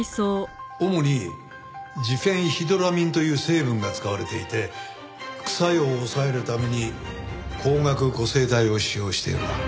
主にジフェンヒドラミンという成分が使われていて副作用を抑えるために光学個性体を使用しているな。